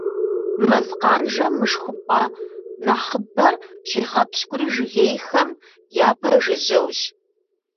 Мэз къанжэм мышхумпӏэ нэхъыбэр щигъэпщкӏури жыгейхэм япэжыжьэущ.